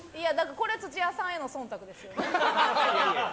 これ土屋さんへの忖度ですよ。